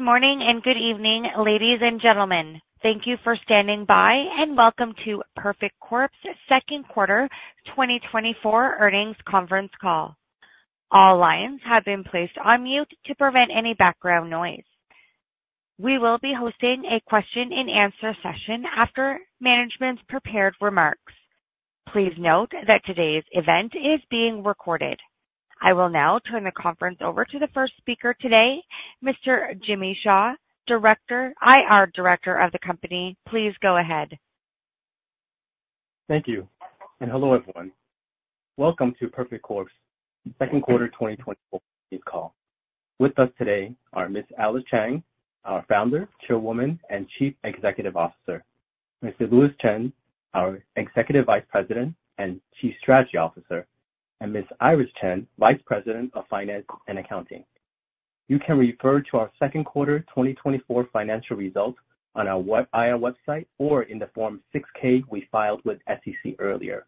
Good morning and good evening, ladies and gentlemen. Thank you for standing by, and welcome to Perfect Corp's second quarter 2024 earnings conference call. All lines have been placed on mute to prevent any background noise. We will be hosting a question-and-answer session after management's prepared remarks. Please note that today's event is being recorded. I will now turn the conference over to the first speaker today, Mr. Jimmy Shu, IR Director of the company. Please go ahead. Thank you. Hello, everyone. Welcome to Perfect Corp's second quarter 2024 earnings call. With us today are Ms. Alice Chang, our Founder, Chairwoman, and Chief Executive Officer, Mr. Louis Chen, our Executive Vice President and Chief Strategy Officer, and Ms. Iris Chen, Vice President of Finance and Accounting. You can refer to our second quarter 2024 financial results on our IR website or in the Form 6-K we filed with SEC earlier.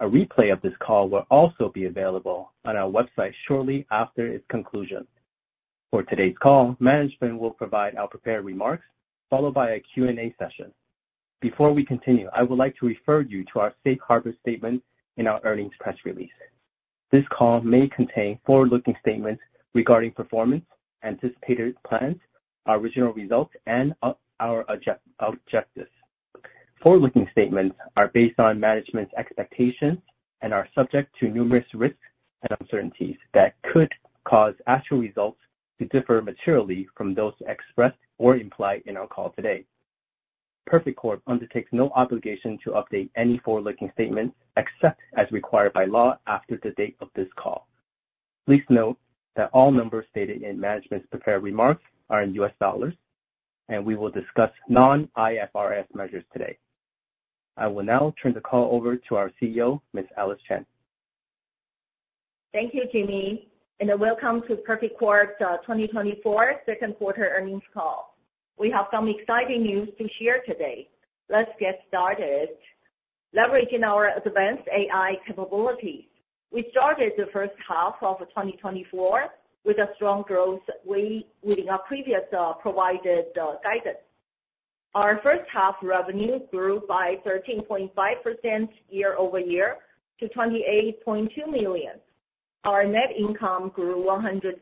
A replay of this call will also be available on our website shortly after its conclusion. For today's call, management will provide our prepared remarks, followed by a Q&A session. Before we continue, I would like to refer you to our Safe Harbor statement in our earnings press release. This call may contain forward-looking statements regarding performance, anticipated plans, our original results, and our objectives. Forward-looking statements are based on management's expectations and are subject to numerous risks and uncertainties that could cause actual results to differ materially from those expressed or implied in our call today. Perfect Corp undertakes no obligation to update any forward-looking statements except as required by law after the date of this call. Please note that all numbers stated in management's prepared remarks are in U.S. dollars, and we will discuss non-IFRS measures today. I will now turn the call over to our CEO, Ms. Alice Chang. Thank you, Jimmy, and welcome to Perfect Corp's 2024 second quarter earnings call. We have some exciting news to share today. Let's get started. Leveraging our advanced AI capabilities, we started the first half of 2024 with a strong growth, way within our previously provided guidance. Our first half revenue grew by 13.5% year-over-year to $28.2 million. Our net income grew 185%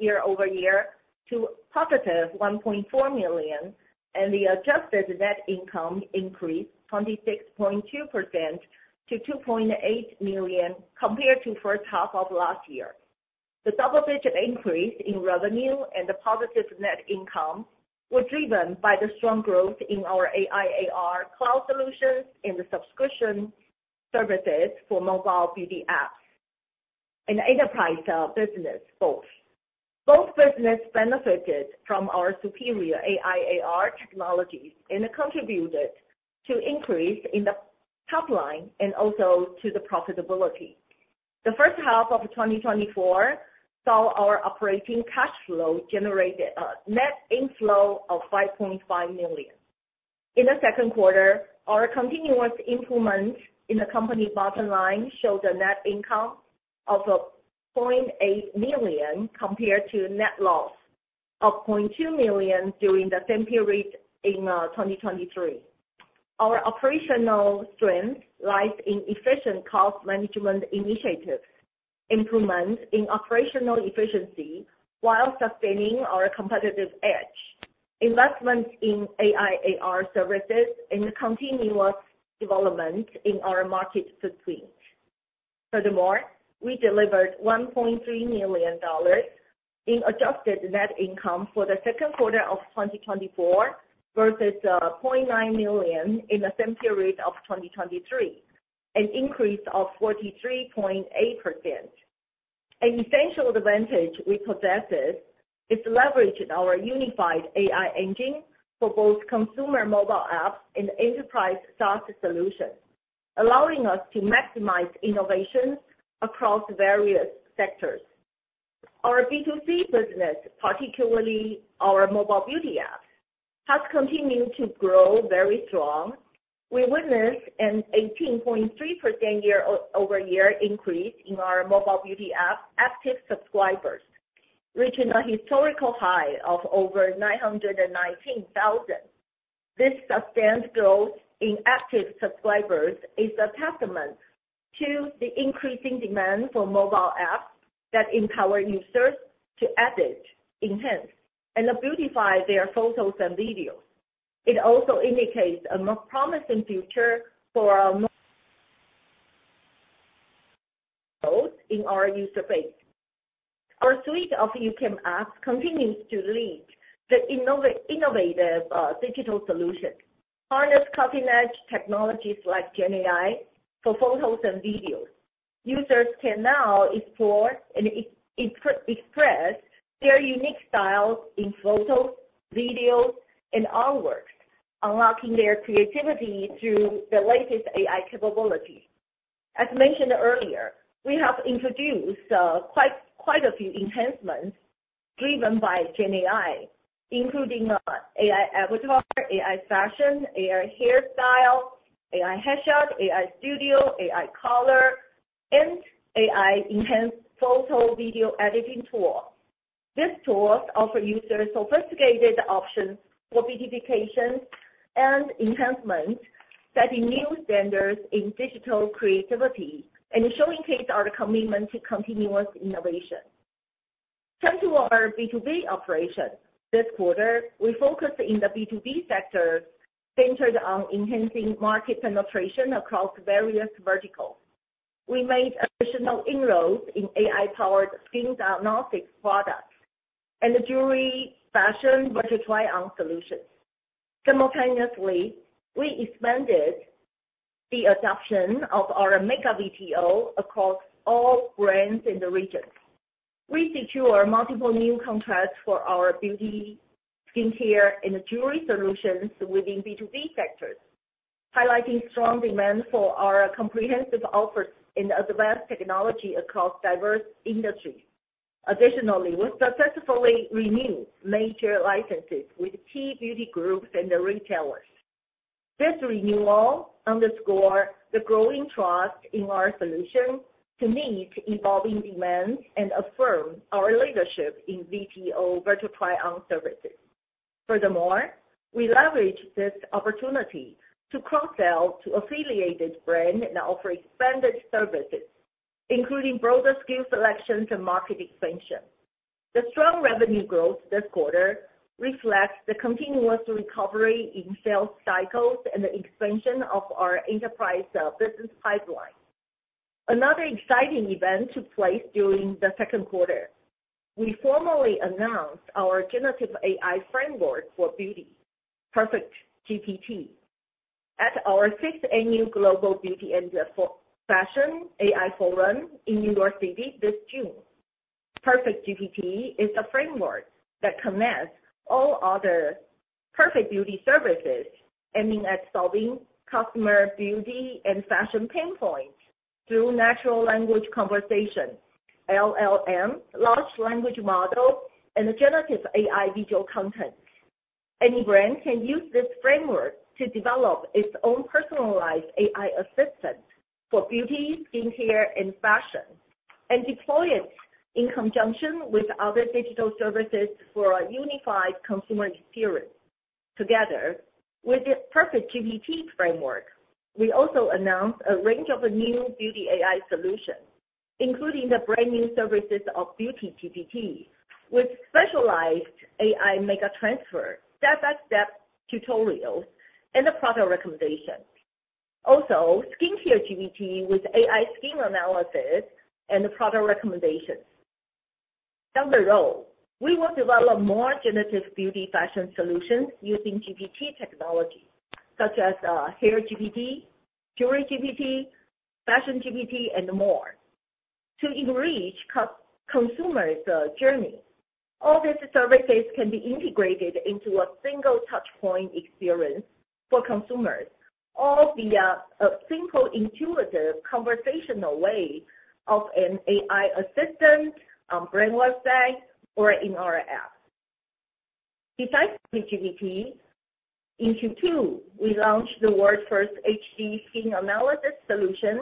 year-over-year to a positive $1.4 million, and the adjusted net income increased 26.2% to $2.8 million compared to the first half of last year. The double-digit increase in revenue and the positive net income were driven by the strong growth in our AI/AR cloud solutions and the subscription services for mobile beauty apps and enterprise business both. Both businesses benefited from our superior AI/AR technologies and contributed to the increase in the pipeline and also to the profitability. The first half of 2024 saw our operating cash flow generate a net inflow of $5.5 million. In the second quarter, our continuous improvement in the company bottom line showed a net income of $0.8 million compared to net loss of $0.2 million during the same period in 2023. Our operational strength lies in efficient cost management initiatives, improvements in operational efficiency while sustaining our competitive edge, investments in AI/AR services, and the continuous development in our market footprint. Furthermore, we delivered $1.3 million in adjusted net income for the second quarter of 2024 versus $0.9 million in the same period of 2023, an increase of 43.8%. An essential advantage we possess is leveraging our unified AI engine for both consumer mobile apps and enterprise SaaS solutions, allowing us to maximize innovation across various sectors. Our B2C business, particularly our mobile beauty apps, has continued to grow very strong. We witnessed an 18.3% year-over-year increase in our mobile beauty app active subscribers, reaching a historical high of over 919,000. This substantial growth in active subscribers is a testament to the increasing demand for mobile apps that empower users to edit, enhance, and beautify their photos and videos. It also indicates a more promising future for our growth in our user base. Our suite of YouCam apps continues to lead to innovative digital solutions, harnessing cutting-edge technologies like GenAI for photos and videos. Users can now explore and express their unique styles in photos, videos, and artworks, unlocking their creativity through the latest AI capabilities. As mentioned earlier, we have introduced quite a few enhancements driven by GenAI, including AI Avatar, AI Fashion, AI Hairstyle, AI Headshot, AI Studio, AI Color, and AI-enhanced Photo/Video Editing Tool. These tools offer users sophisticated options for beautification and enhancement, setting new standards in digital creativity, and showing a case of our commitment to continuous innovation. Turn to our B2B operations. This quarter, we focused on the B2B sector, centered on enhancing market penetration across various verticals. We made additional inroads in AI-powered skin diagnostics products and jewelry, fashion, versatile solutions. Simultaneously, we expanded the adoption of our Makeup VTO across all brands in the region. We secured multiple new contracts for our beauty, skincare, and jewelry solutions within B2B sectors, highlighting strong demand for our comprehensive offers and advanced technology across diverse industries. Additionally, we successfully renewed major licenses with key beauty groups and retailers. This renewal underscores the growing trust in our solution to meet evolving demands and affirm our leadership in VTO versatile services. Furthermore, we leveraged this opportunity to cross-sell to affiliated brands and offer expanded services, including broader skill selections and market expansion. The strong revenue growth this quarter reflects the continuous recovery in sales cycles and the expansion of our enterprise business pipeline. Another exciting event took place during the second quarter. We formally announced our generative AI framework for beauty, PerfectGPT, at our 6th annual Global Beauty and Fashion AI Forum in New York City this June. PerfectGPT is a framework that connects all other perfect beauty services, aiming at solving customer beauty and fashion pain points through natural language conversation, LLM, large language models, and generative AI visual content. Any brand can use this framework to develop its own personalized AI assistant for beauty, skincare, and fashion, and deploy it in conjunction with other digital services for a unified consumer experience. Together with the PerfectGPT framework, we also announced a range of new beauty AI solutions, including the brand new services of BeautyGPT, with specialized AI Makeup Transfer, step-by-step tutorials, and product recommendations. Also, SkincareGPT with AI Skin Analysis and product recommendations. Down the road, we will develop more generative beauty fashion solutions using GPT technology, such as HairGPT, JewelryGPT, FashionGPT, and more, to enrich consumers' journey. All these services can be integrated into a single touchpoint experience for consumers, all via a simple, intuitive conversational way of an AI assistant on a brand website or in our app. Besides GPT, in Q2, we launched the world's first HD Skin Analysis solution,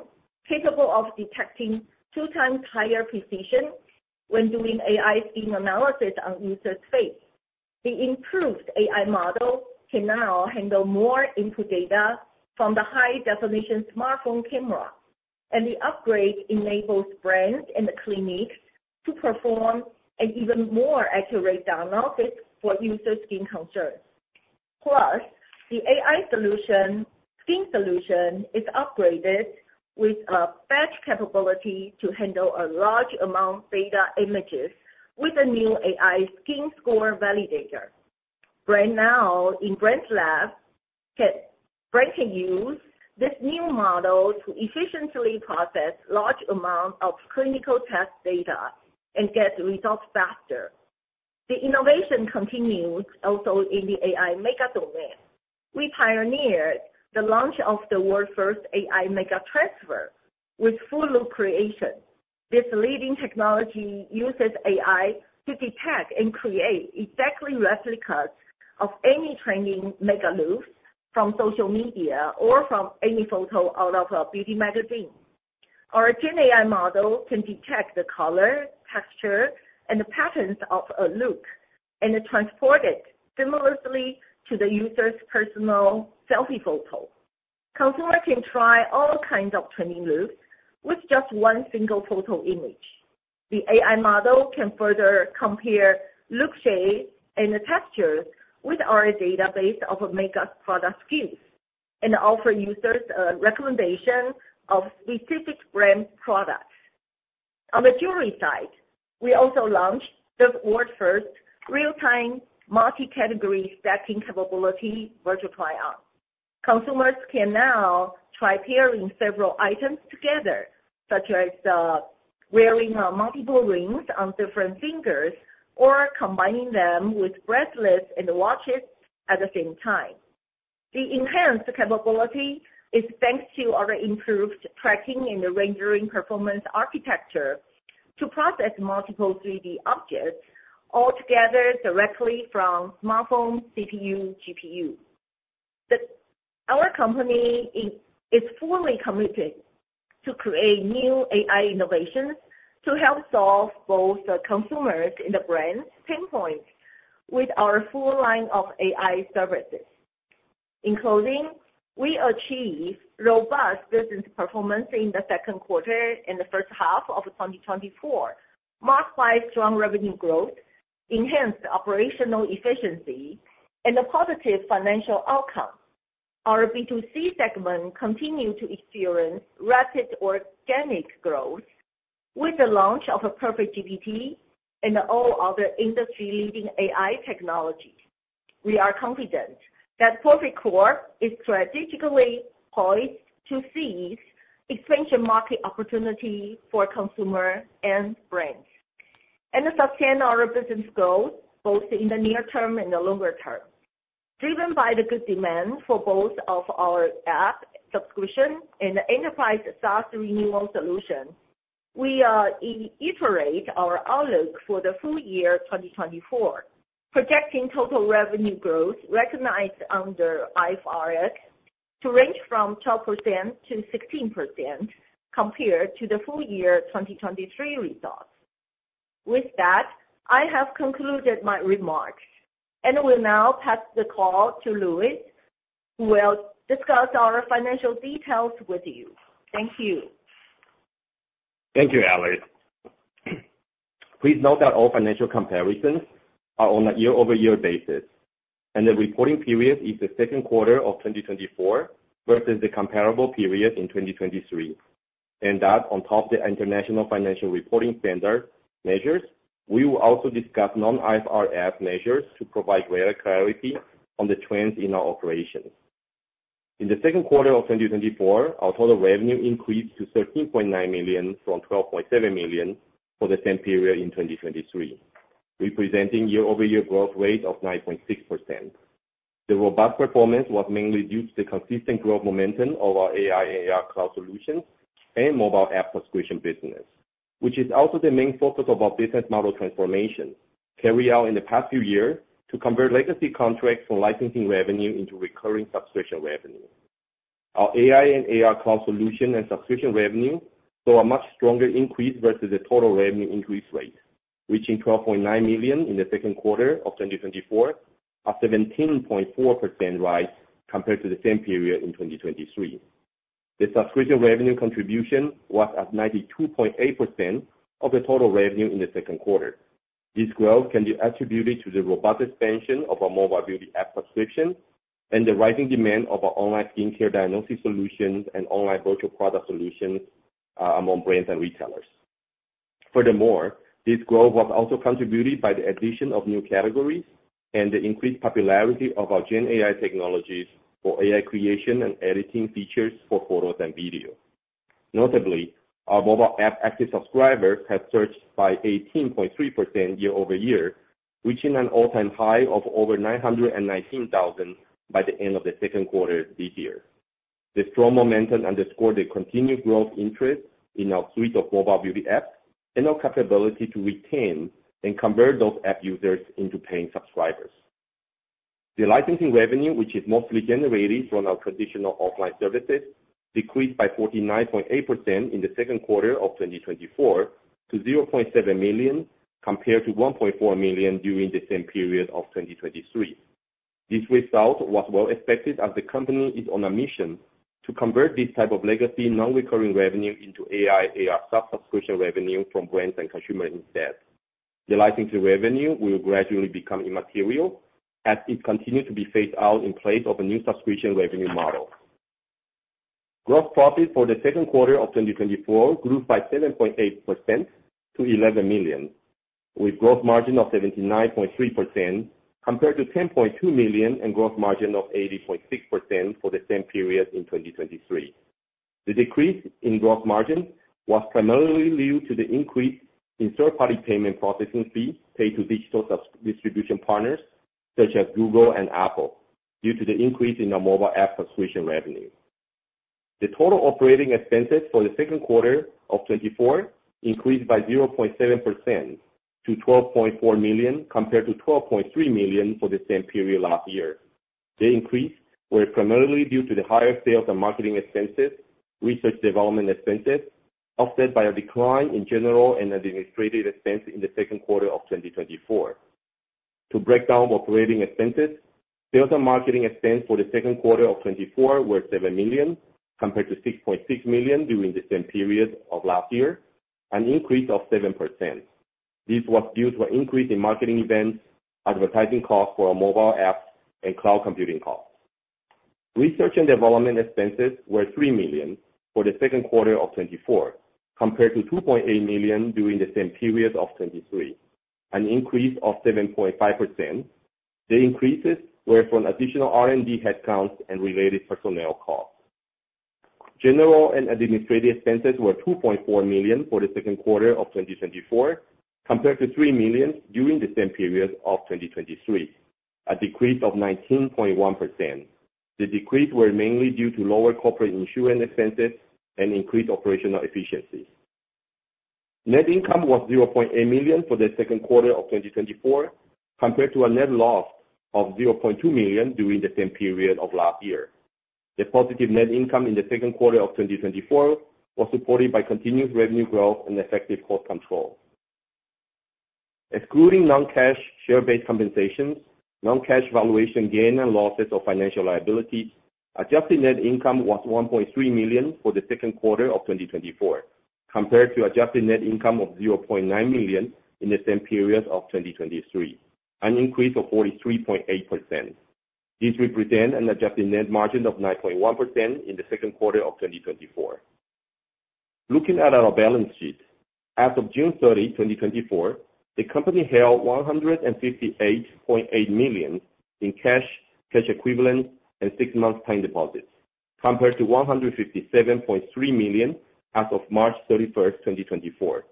capable of detecting two times higher precision when doing AI Skin Analysis on users' face. The improved AI model can now handle more input data from the high-definition smartphone camera, and the upgrade enables brands and clinics to perform an even more accurate diagnosis for users' skin concerns. Plus, the AI skin solution is upgraded with a batch capability to handle a large amount of data images with a new AI Skin Score Validator. Right now, in brands' labs, brands can use this new model to efficiently process large amounts of clinical test data and get results faster. The innovation continues also in the AI makeup domain. We pioneered the launch of the world's first AI Makeup Transfer with virtual creation. This leading technology uses AI to detect and create exact replicas of any trending makeup looks from social media or from any photo out of a beauty magazine. Our GenAI model can detect the color, texture, and patterns of a look and transport it seamlessly to the user's personal selfie photo. Consumers can try all kinds of trending looks with just one single photo image. The AI model can further compare look shades and textures with our database of makeup product SKUs and offer users a recommendation of specific brand products. On the jewelry side, we also launched the world's first real-time multi-category stacking capability, virtual try-on. Consumers can now try pairing several items together, such as wearing multiple rings on different fingers or combining them with bracelets and watches at the same time. The enhanced capability is thanks to our improved tracking and rendering performance architecture to process multiple 3D objects all together directly from smartphone, CPU, GPU. Our company is fully committed to creating new AI innovations to help solve both consumers' and the brands' pain points with our full line of AI services, including we achieved robust business performance in the second quarter and the first half of 2024, marked by strong revenue growth, enhanced operational efficiency, and a positive financial outcome. Our B2C segment continues to experience rapid organic growth with the launch of PerfectGPT and all other industry-leading AI technologies. We are confident that Perfect Corp. is strategically poised to seize expansion market opportunities for consumers and brands and sustain our business goals both in the near term and the longer term. Driven by the good demand for both our app subscription and the enterprise SaaS renewal solution, we iterate our outlook for the full year 2024, projecting total revenue growth recognized under IFRS to range from 12%-16% compared to the full year 2023 results. With that, I have concluded my remarks and will now pass the call to Louis, who will discuss our financial details with you. Thank you. Thank you, Alice. Please note that all financial comparisons are on a year-over-year basis, and the reporting period is the second quarter of 2024 versus the comparable period in 2023. That, on top of the International Financial Reporting Standards measures, we will also discuss non-IFRS measures to provide greater clarity on the trends in our operations. In the second quarter of 2024, our total revenue increased to $13.9 million from $12.7 million for the same period in 2023, representing year-over-year growth rates of 9.6%. The robust performance was mainly due to the consistent growth momentum of our AI and AR cloud solutions and mobile app subscription business, which is also the main focus of our business model transformation carried out in the past few years to convert legacy contracts from licensing revenue into recurring subscription revenue. Our AI and AR cloud solution and subscription revenue saw a much stronger increase versus the total revenue increase rate, reaching $12.9 million in the second quarter of 2024, a 17.4% rise compared to the same period in 2023. The subscription revenue contribution was at 92.8% of the total revenue in the second quarter. This growth can be attributed to the robust expansion of our mobile beauty app subscription and the rising demand of our online skincare diagnosis solutions and online virtual product solutions among brands and retailers. Furthermore, this growth was also contributed by the addition of new categories and the increased popularity of our GenAI technologies for AI creation and editing features for photos and video. Notably, our mobile app active subscribers have surged by 18.3% year-over-year, reaching an all-time high of over 919,000 by the end of the second quarter this year. The strong momentum underscored the continued growth interest in our suite of mobile beauty apps and our capability to retain and convert those app users into paying subscribers. The licensing revenue, which is mostly generated from our traditional offline services, decreased by 49.8% in the second quarter of 2024 to $0.7 million compared to $1.4 million during the same period of 2023. This result was well expected as the company is on a mission to convert this type of legacy non-recurring revenue into AI/AR subscription revenue from brands and consumers instead. The licensing revenue will gradually become immaterial as it continues to be phased out in place of a new subscription revenue model. Gross profit for the second quarter of 2024 grew by 7.8% to $11 million, with a gross margin of 79.3% compared to $10.2 million and a gross margin of 80.6% for the same period in 2023. The decrease in gross margins was primarily due to the increase in third-party payment processing fees paid to digital distribution partners such as Google and Apple due to the increase in our mobile app subscription revenue. The total operating expenses for the second quarter of 2024 increased by 0.7% to $12.4 million compared to $12.3 million for the same period last year. The increase was primarily due to the higher sales and marketing expenses, research development expenses, offset by a decline in general and administrative expenses in the second quarter of 2024. To break down operating expenses, sales and marketing expenses for the second quarter of 2024 were $7 million compared to $6.6 million during the same period of last year, an increase of 7%. This was due to an increase in marketing events, advertising costs for our mobile apps, and cloud computing costs. Research and development expenses were $3 million for the second quarter of 2024 compared to $2.8 million during the same period of 2023, an increase of 7.5%. The increases were from additional R&D headcounts and related personnel costs. General and administrative expenses were $2.4 million for the second quarter of 2024 compared to $3 million during the same period of 2023, a decrease of 19.1%. The decrease was mainly due to lower corporate insurance expenses and increased operational efficiency. Net income was $0.8 million for the second quarter of 2024 compared to a net loss of $0.2 million during the same period of last year. The positive net income in the second quarter of 2024 was supported by continuous revenue growth and effective cost control. Excluding non-cash share-based compensations, non-cash valuation gains and losses of financial liabilities, adjusted net income was $1.3 million for the second quarter of 2024 compared to adjusted net income of $0.9 million in the same period of 2023, an increase of 43.8%. This represents an adjusted net margin of 9.1% in the second quarter of 2024. Looking at our balance sheet, as of June 30, 2024, the company held $158.8 million in cash, cash equivalent, and six-month time deposits compared to $157.3 million as of March 31, 2024.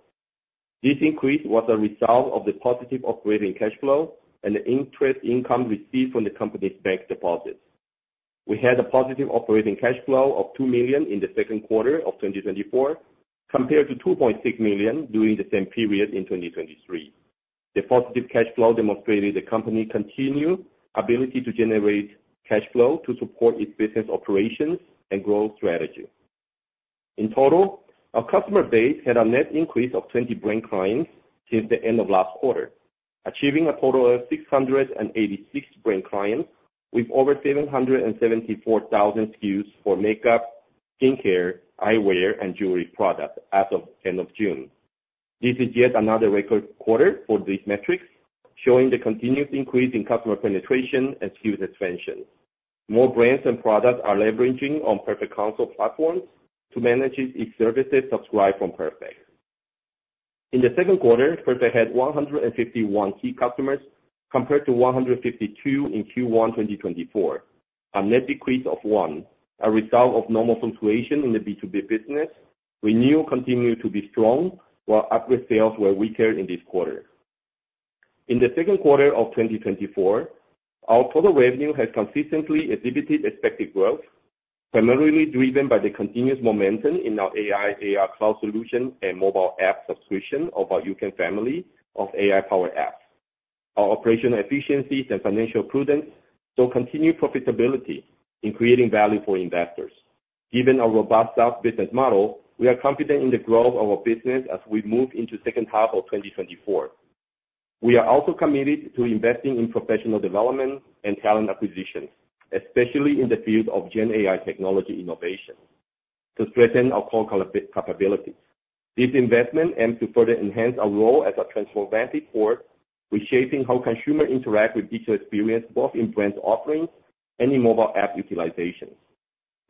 This increase was a result of the positive operating cash flow and the interest income received from the company's bank deposits. We had a positive operating cash flow of $2 million in the second quarter of 2024 compared to $2.6 million during the same period in 2023. The positive cash flow demonstrated the company's continued ability to generate cash flow to support its business operations and growth strategy. In total, our customer base had a net increase of 20 brand clients since the end of last quarter, achieving a total of 686 brand clients with over 774,000 SKUs for makeup, skincare, eyewear, and jewelry products as of the end of June. This is yet another record quarter for these metrics, showing the continuous increase in customer penetration and SKUs expansion. More brands and products are leveraging on Perfect Console platforms to manage its services subscribed from Perfect. In the second quarter, Perfect had 151 key customers compared to 152 in Q1 2024, a net decrease of one, a result of normal fluctuation in the B2B business. Renewal continued to be strong, while upward sales were weaker in this quarter. In the second quarter of 2024, our total revenue has consistently exhibited expected growth, primarily driven by the continuous momentum in our AI/AR cloud solution and mobile app subscription of our YouCam family of AI-powered apps. Our operational efficiencies and financial prudence show continued profitability in creating value for investors. Given our robust SaaS business model, we are confident in the growth of our business as we move into the second half of 2024. We are also committed to investing in professional development and talent acquisitions, especially in the field of GenAI technology innovation, to strengthen our core capabilities. This investment aims to further enhance our role as a transformative force reshaping how consumers interact with digital experiences both in brand offerings and in mobile app utilization.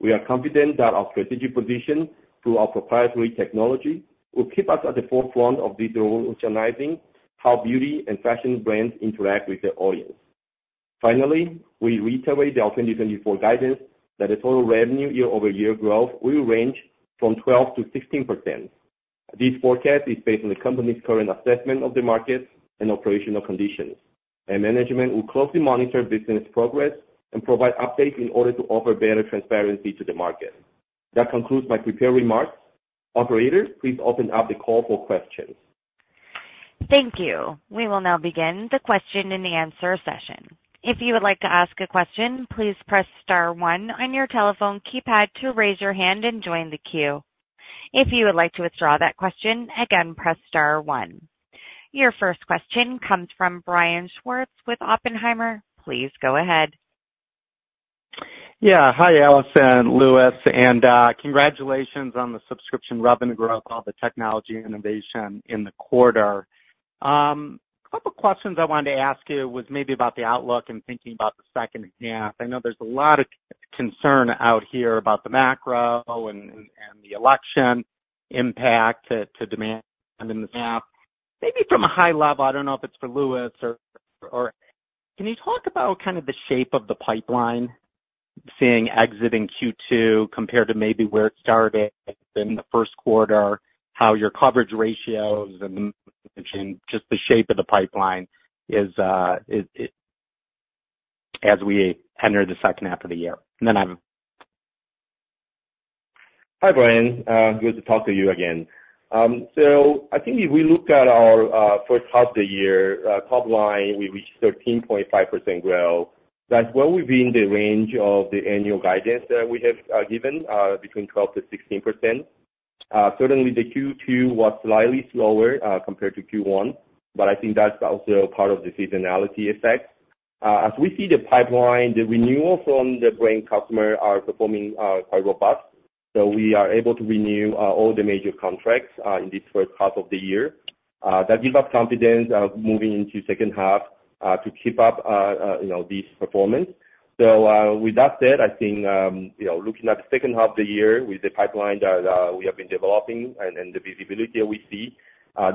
We are confident that our strategic position through our proprietary technology will keep us at the forefront of this revolutionizing how beauty and fashion brands interact with their audience. Finally, we reiterate the 2024 guidance that the total revenue year-over-year growth will range from 12%-16%. This forecast is based on the company's current assessment of the market and operational conditions, and management will closely monitor business progress and provide updates in order to offer better transparency to the market. That concludes my prepared remarks. Operator, please open up the call for questions. Thank you. We will now begin the question-and-answer session. If you would like to ask a question, please press star 1 on your telephone keypad to raise your hand and join the queue. If you would like to withdraw that question, again, press star 1. Your first question comes from Brian Schwartz with Oppenheimer. Please go ahead. Yeah. Hi, Alice and Louis. Congratulations on the subscription revenue growth, all the technology innovation in the quarter. A couple of questions I wanted to ask you was maybe about the outlook and thinking about the second half. I know there's a lot of concern out here about the macro and the election impact to demand in this half. Maybe from a high level, I don't know if it's for Louis or can you talk about kind of the shape of the pipeline seeing exiting Q2 compared to maybe where it started in the first quarter, how your coverage ratios and just the shape of the pipeline is as we enter the second half of the year? And then I have Hi, Brian. Good to talk to you again. So I think if we look at our first half of the year, top line, we reached 13.5% growth. That's well within the range of the annual guidance that we have given, between 12%-16%. Certainly, the Q2 was slightly slower compared to Q1, but I think that's also part of the seasonality effect. As we see the pipeline, the renewal from the brand customers are performing quite robust. So we are able to renew all the major contracts in this first half of the year. That gives us confidence of moving into the second half to keep up this performance. So with that said, I think looking at the second half of the year with the pipeline that we have been developing and the visibility that we see,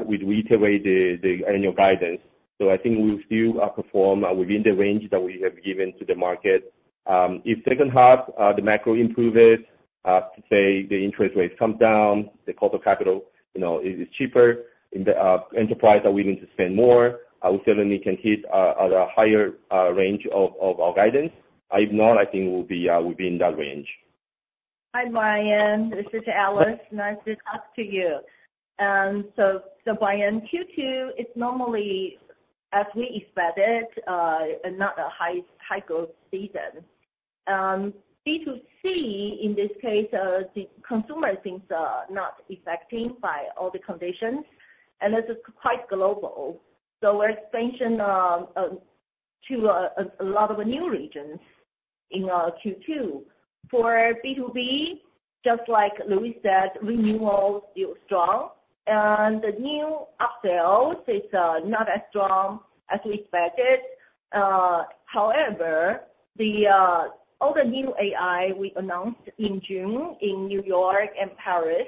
we reiterate the annual guidance. So I think we will still perform within the range that we have given to the market. If second half, the macro improves, say, the interest rates come down, the cost of capital is cheaper, enterprises are willing to spend more, we certainly can hit a higher range of our guidance. If not, I think we'll be in that range. Hi, Brian. This is Alice. Nice to talk to you. So Brian, Q2 is normally, as we expected, not a high-growth season. B2C, in this case, consumers think are not affected by all the conditions, and this is quite global. So we're expanding to a lot of new regions in Q2. For B2B, just like Louis said, renewal is still strong, and the new upsales are not as strong as we expected. However, all the new AI we announced in June in New York and Paris,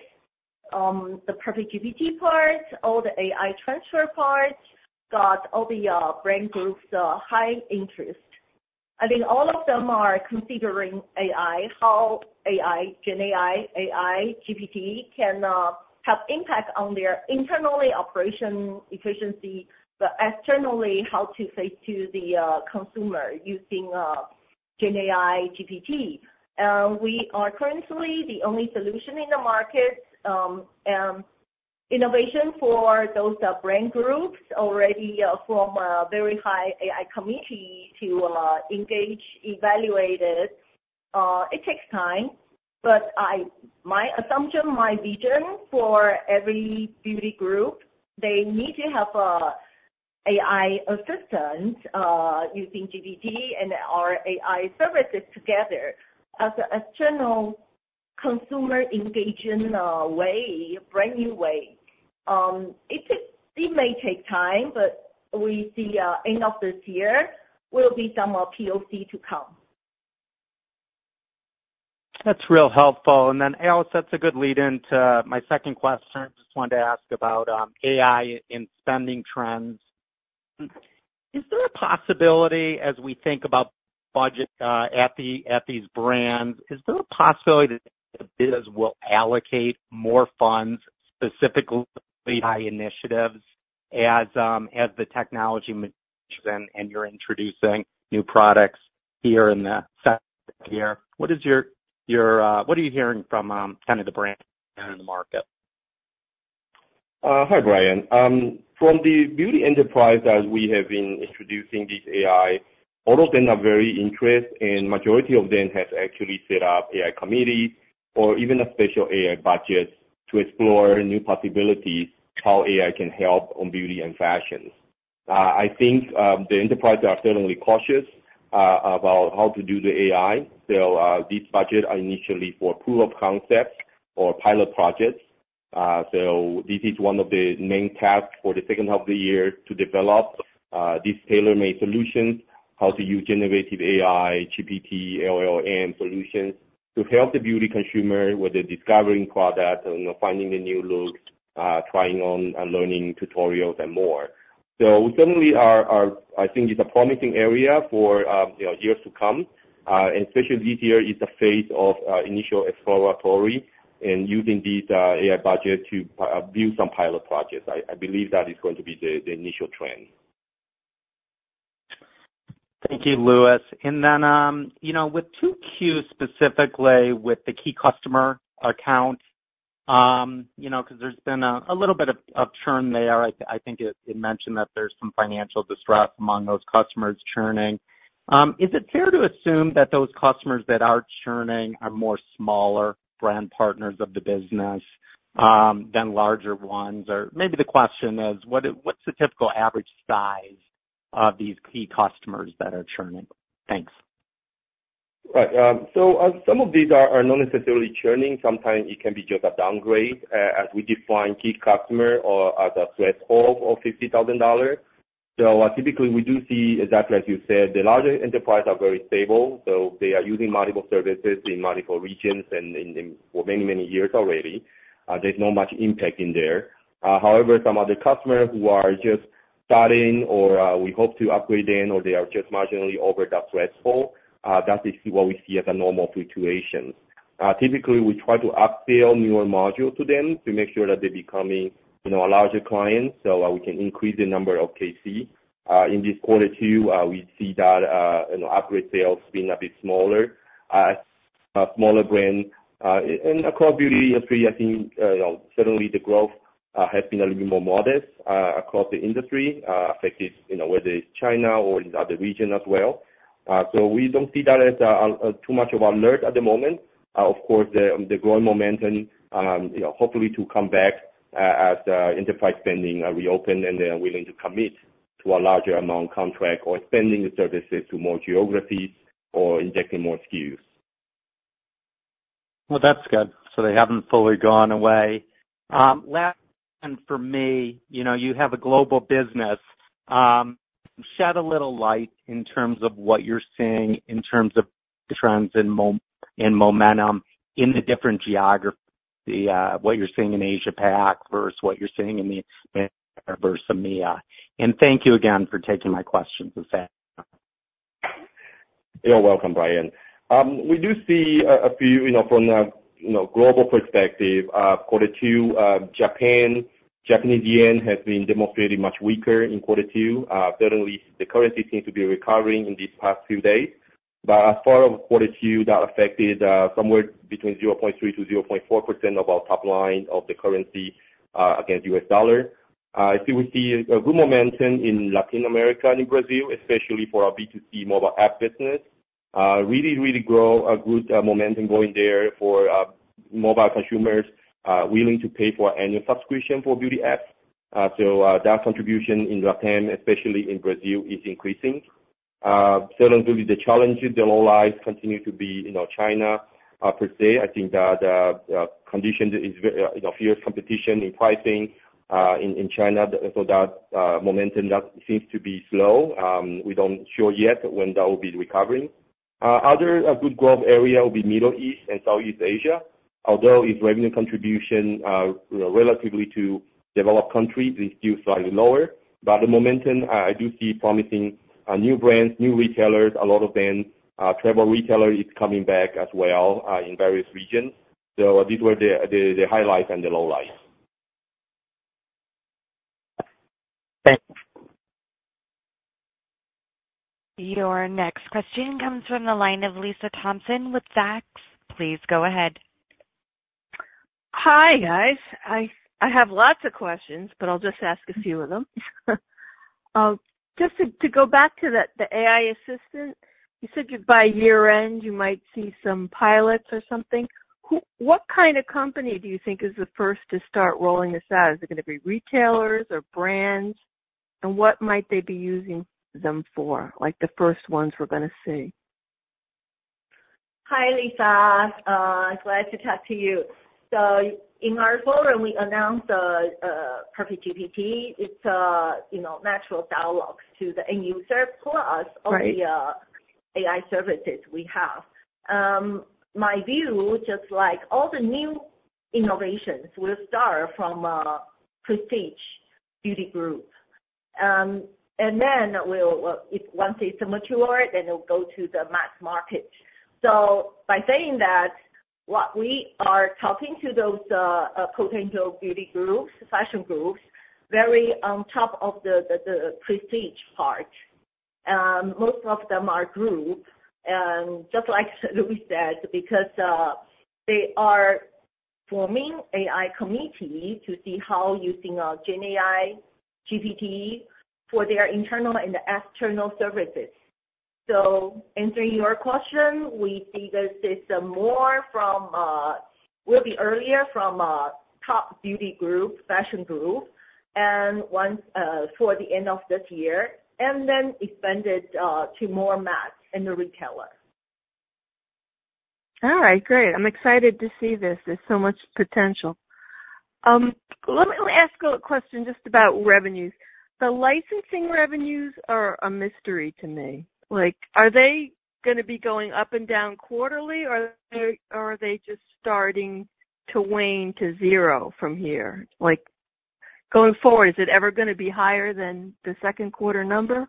the PerfectGPT part, all the AI transfer part, got all the brand groups' high interest. I think all of them are considering how GenAI, AI, GPT can have an impact on their internal operation efficiency, but externally, how to face the consumer using GenAI, GPT. And we are currently the only solution in the market. Innovation for those brand groups already form a very high AI committee to engage, evaluate it. It takes time, but my assumption, my vision for every beauty group, they need to have an AI assistant using GPT and our AI services together as an external consumer engaging way, brand new way. It may take time, but we see the end of this year will be some of POC to come. That's real helpful. And then, Alice, that's a good lead-in to my second question. I just wanted to ask about AI and spending trends. Is there a possibility, as we think about budget at these brands, is there a possibility that the business will allocate more funds specifically to AI initiatives as the technology and you're introducing new products here in the second half of the year? What are you hearing from kind of the brands in the market? Hi, Brian. From the beauty enterprise, as we have been introducing this AI, all of them are very interested, and the majority of them have actually set up AI committees or even a special AI budget to explore new possibilities, how AI can help on beauty and fashion. I think the enterprises are certainly cautious about how to do the AI. So these budgets are initially for proof of concepts or pilot projects. So this is one of the main tasks for the second half of the year to develop these tailor-made solutions, how to use generative AI, GPT, LLM solutions to help the beauty consumer with the discovering product and finding a new look, trying on and learning tutorials and more. So certainly, I think it's a promising area for years to come, and especially this year, it's a phase of initial exploratory and using these AI budgets to build some pilot projects. I believe that is going to be the initial trend. Thank you, Louis. And then with Q2 specifically, with the key customer account, because there's been a little bit of churn there, I think it mentioned that there's some financial distress among those customers churning. Is it fair to assume that those customers that are churning are more smaller brand partners of the business than larger ones? Or maybe the question is, what's the typical average size of these key customers that are churning? Thanks. Right. So some of these are not necessarily churning. Sometimes it can be just a downgrade as we define key customers as a threshold of $50,000. So typically, we do see exactly as you said, the larger enterprises are very stable. So they are using multiple services in multiple regions and for many, many years already. There's not much impact in there. However, some of the customers who are just starting or we hope to upgrade in, or they are just marginally over the threshold, that is what we see as a normal fluctuation. Typically, we try to upscale newer modules to them to make sure that they become a larger client so we can increase the number of KC. In this quarter too, we see that upgrade sales have been a bit smaller. Smaller brands and across beauty industry, I think certainly the growth has been a little bit more modest across the industry, affected whether it's China or in other regions as well. So we don't see that as too much of an alert at the moment. Of course, the growing momentum, hopefully to come back as enterprise spending reopens and they are willing to commit to a larger amount of contract or spending services to more geographies or injecting more SKUs. Well, that's good. So they haven't fully gone away. Last question for me. You have a global business. Shed a little light in terms of what you're seeing in terms of trends and momentum in the different geographies, what you're seeing in Asia-Pac versus what you're seeing in the Americas versus EMEA Thank you again for taking my questions. You're welcome, Brian. We do see a few from a global perspective. Quarter two, Japanese yen has been demonstrating much weaker in quarter two. Certainly, the currency seems to be recovering in these past few days. But as far as quarter two, that affected somewhere between 0.3%-0.4% of our top line of the currency against U.S. dollar. I think we see a good momentum in Latin America and in Brazil, especially for our B2C mobile app business. Really, really grow a good momentum going there for mobile consumers willing to pay for annual subscription for beauty apps. So that contribution in Latin, especially in Brazil, is increasing. Certainly, the challenges, the lowlights continue to be China, per se. I think that condition is fierce competition in pricing in China. So that momentum seems to be slow. We don't know yet when that will be recovering. Other good growth area will be Middle East and Southeast Asia. Although its revenue contribution relatively to developed countries, it's still slightly lower. But the momentum, I do see promising new brands, new retailers, a lot of them travel retailers is coming back as well in various regions. So these were the highlights and the lowlights. Thanks. Your next question comes from the line of Lisa Thompson with Zacks. Please go ahead. Hi, guys. I have lots of questions, but I'll just ask a few of them. Just to go back to the AI assistant, you said by year-end, you might see some pilots or something. What kind of company do you think is the first to start rolling this out? Is it going to be retailers or brands? What might they be using them for, like the first ones we're going to see? Hi, Lisa. Glad to talk to you. So in our forum, we announced PerfectGPT. It's natural dialogue to the end user, plus all the AI services we have. My view, just like all the new innovations, will start from a prestige beauty group. And then once it's matured, then it'll go to the mass market. So by saying that, we are talking to those potential beauty groups, fashion groups, very on top of the prestige part. Most of them are groups. And just like Louis said, because they are forming AI committees to see how using GenAI, GPT for their internal and external services. Answering your question, we see this is more from, will be earlier from a top beauty group, fashion group, and for the end of this year, and then expanded to more mass and the retailer. All right. Great. I'm excited to see this. There's so much potential. Let me ask a question just about revenues. The licensing revenues are a mystery to me. Are they going to be going up and down quarterly, or are they just starting to wane to zero from here? Going forward, is it ever going to be higher than the second quarter number?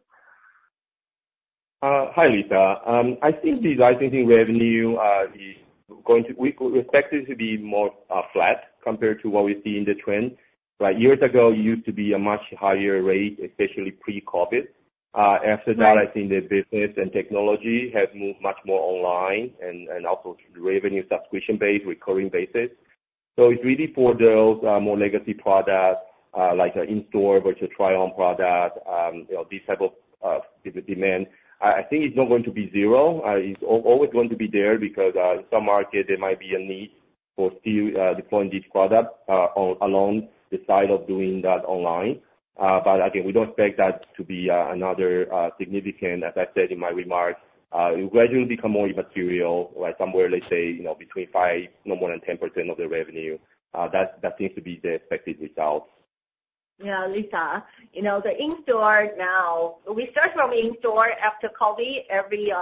Hi, Lisa. I think the licensing revenue is going to be expected to be more flat compared to what we see in the trend. But years ago, it used to be a much higher rate, especially pre-COVID. After that, I think the business and technology have moved much more online and also revenue subscription-based, recurring basis. So it's really for those more legacy products like in-store versus trial products, these types of demand. I think it's not going to be zero. It's always going to be there because in some markets, there might be a need for still deploying these products along the side of doing that online. But I think we don't expect that to be another significant, as I said in my remarks, it will gradually become more immaterial, somewhere, let's say, between 5%, no more than 10% of the revenue. That seems to be the expected results. Yeah, Lisa. The in-store now, we start from in-store after COVID, every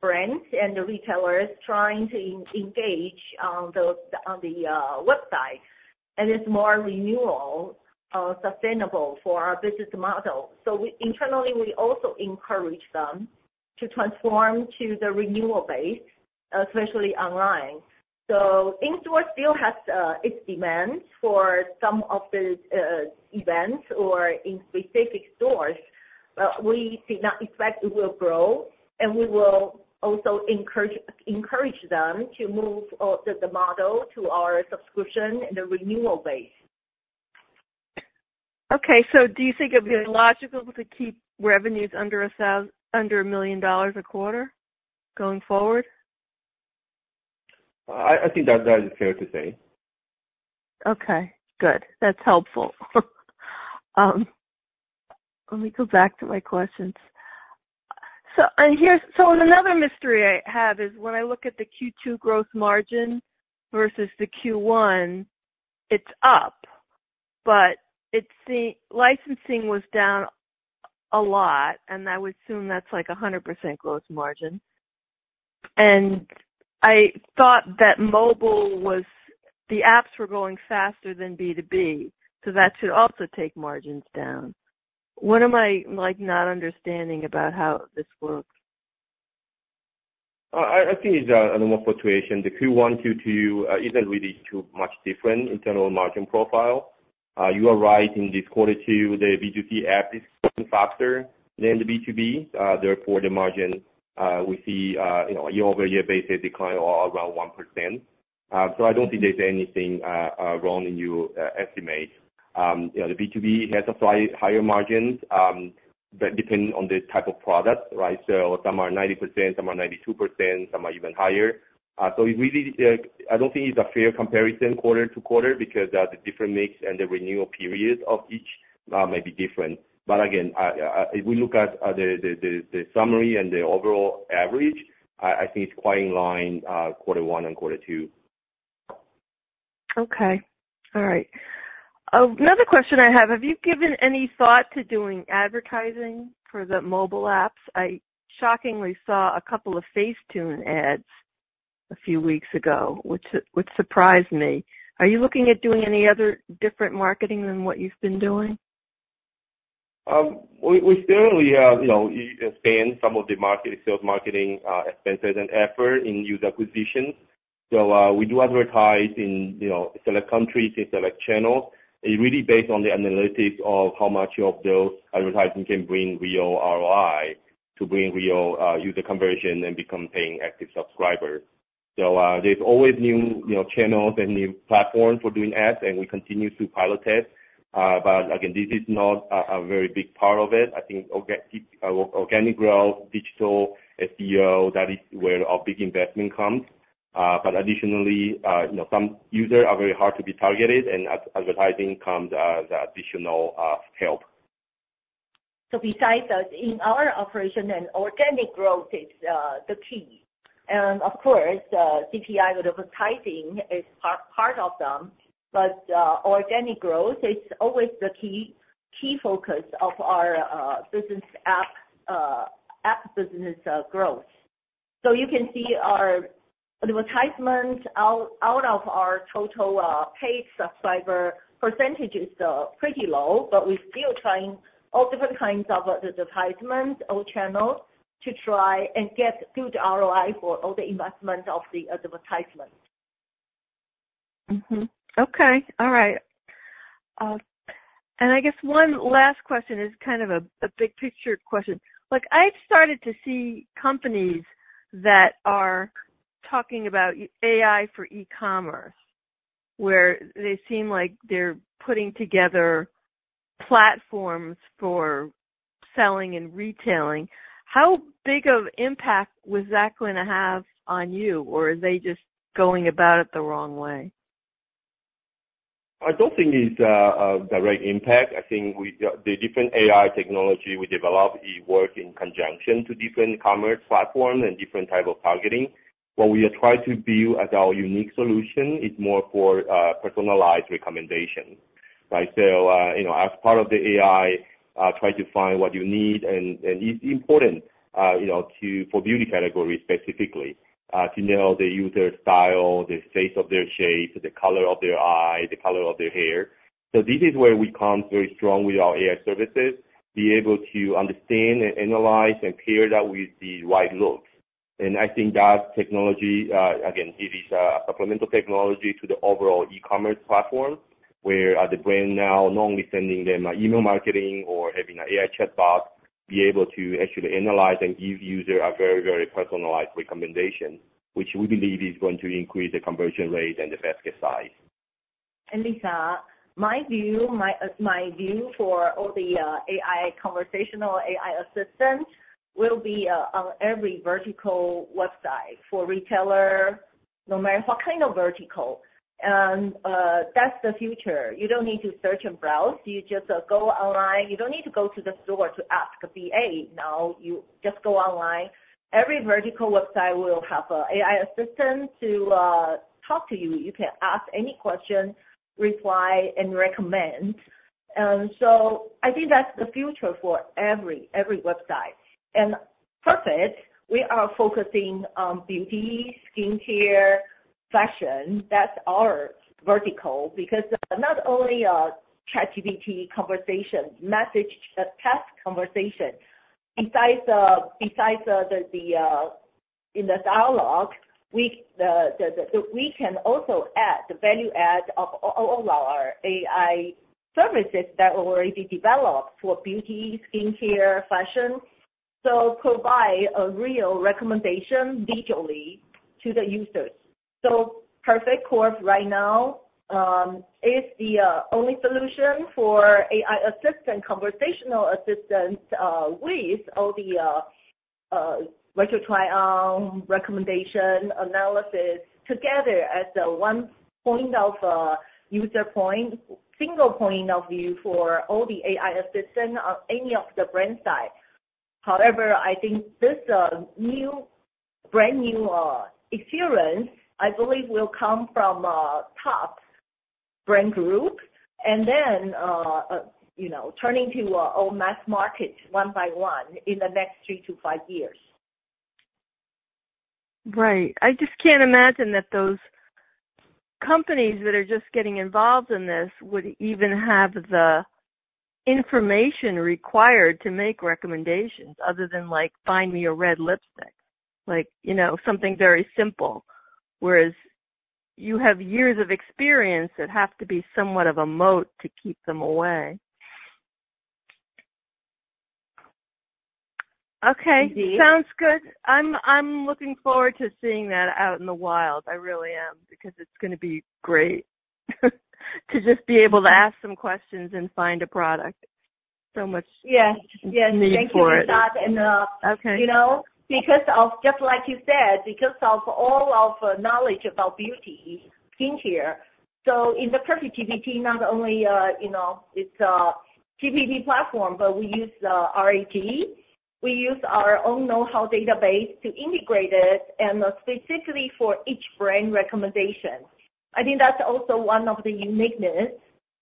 brand and the retailers trying to engage on the website. And it's more renewal, sustainable for our business model. So internally, we also encourage them to transform to the renewal base, especially online. So in-store still has its demand for some of the events or in specific stores. But we did not expect it will grow, and we will also encourage them to move the model to our subscription and the renewal base. Okay. So do you think it would be logical to keep revenues under $1 million a quarter going forward? I think that is fair to say. Okay. Good. That's helpful. Let me go back to my questions. And so another mystery I have is when I look at the Q2 gross margin versus the Q1, it's up, but licensing was down a lot, and I would assume that's like 100% gross margin. And I thought that mobile was the apps were going faster than B2B, so that should also take margins down. What am I not understanding about how this works? I think it's a normal fluctuation. The Q1, Q2, isn't really too much different internal margin profile. You are right in this quarter two, the B2C app is growing faster than the B2B. Therefore, the margin, we see year-over-year basis decline of around 1%. So I don't think there's anything wrong in your estimate. The B2B has a slight higher margins, but depending on the type of product, right? So some are 90%, some are 92%, some are even higher. So I don't think it's a fair comparison quarter to quarter because the different mix and the renewal period of each may be different. But again, if we look at the summary and the overall average, I think it's quite in line quarter one and quarter two. Okay. All right. Another question I have, have you given any thought to doing advertising for the mobile apps? I shockingly saw a couple of Facetune ads a few weeks ago, which surprised me. Are you looking at doing any other different marketing than what you've been doing? We certainly spend some of the market sales marketing expenses and effort in user acquisition. So we do advertise in select countries and select channels. It's really based on the analytics of how much of those advertisements can bring real ROI to bring real user conversion and become paying active subscribers. So there's always new channels and new platforms for doing ads, and we continue to pilot test. But again, this is not a very big part of it. I think organic growth, digital SEO, that is where our big investment comes. But additionally, some users are very hard to be targeted, and advertising comes as additional help. So besides those, in our operation, organic growth is the key. And of course, CPI advertising is part of them, but organic growth is always the key focus of our business app business growth. So you can see our advertisements out of our total paid subscriber percentage is pretty low, but we're still trying all different kinds of advertisements, all channels to try and get good ROI for all the investment of the advertisement. Okay. All right. And I guess one last question is kind of a big picture question. I've started to see companies that are talking about AI for e-commerce, where they seem like they're putting together platforms for selling and retailing. How big of an impact was that going to have on you, or are they just going about it the wrong way? I don't think it's a direct impact. I think the different AI technology we developed works in conjunction to different commerce platforms and different types of targeting. What we have tried to build as our unique solution is more for personalized recommendations, right? So as part of the AI, try to find what you need, and it's important for beauty categories specifically to know the user's style, the state of their shape, the color of their eyes, the color of their hair. So this is where we come very strong with our AI services, be able to understand and analyze and pair that with the right looks. I think that technology, again, it is a supplemental technology to the overall e-commerce platform, where the brand now not only sending them email marketing or having an AI chatbot, be able to actually analyze and give users a very, very personalized recommendation, which we believe is going to increase the conversion rate and the basket size. Lisa, my view for all the AI conversational AI assistants will be on every vertical website for retailers, no matter what kind of vertical. That's the future. You don't need to search and browse. You just go online. You don't need to go to the store to ask BA. Now you just go online. Every vertical website will have an AI assistant to talk to you. You can ask any question, reply, and recommend. So I think that's the future for every website. Perfect, we are focusing on beauty, skincare, fashion. That's our vertical because not only ChatGPT conversation, message text conversation. Besides the in the dialogue, we can also add the value add of all our AI services that are already developed for beauty, skincare, fashion. So provide a real recommendation digitally to the users. So Perfect Corp right now is the only solution for AI assistant, conversational assistant with all the virtual trial, recommendation, analysis together as a one point of user point, single point of view for all the AI assistants on any of the brand side. However, I think this new brand new experience, I believe, will come from top brand groups and then turning to all mass markets one by one in the next 3-5 years. Right. I just can't imagine that those companies that are just getting involved in this would even have the information required to make recommendations other than find me a red lipstick, something very simple, whereas you have years of experience that have to be somewhat of a moat to keep them away. Okay. Sounds good. I'm looking forward to seeing that out in the wild. I really am because it's going to be great to just be able to ask some questions and find a product. So much need for it. Yes. Thank you for that. And because of just like you said, because of all of the knowledge about beauty, skincare. So in the Perfect GPT, not only it's a GPT platform, but we use RAG. We use our own know-how database to integrate it and specifically for each brand recommendation. I think that's also one of the uniqueness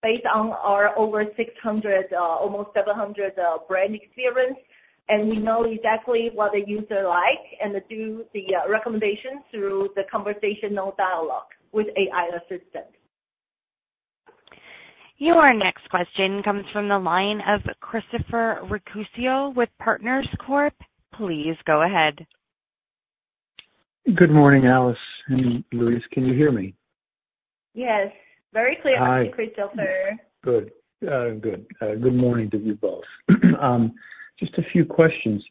based on our over 600, almost 700 brand experience, and we know exactly what the user likes and do the recommendations through the conversational dialogue with AI assistant. Your next question comes from the line of Christopher Recouso with Partners Corp. Please go ahead. Good morning, Alice and Louis. Can you hear me? Yes. Very clear, Christopher. Good. Good. Good morning to you both. Just a few questions.